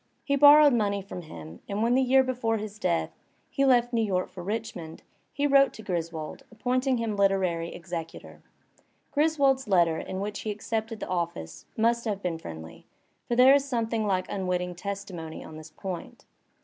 He borrowed money from him, and when the year before his death, he left New York for Richmond^ he wrote to Griswold appointing him literary executor. Griswold's letter in which he accepted the office must have been friendly, for there is something like unwitting testimony on this point.